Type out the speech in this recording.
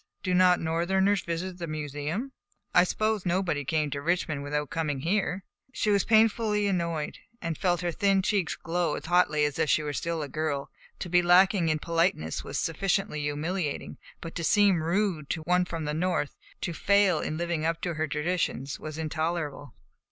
Do not Northerners visit the Museum? I supposed nobody came to Richmond without coming here." She was painfully annoyed, and felt her thin cheeks glow as hotly as if she were still a girl. To be lacking in politeness was sufficiently humiliating, but to seem rude to one from the North, to fail in living up to her traditions, was intolerable.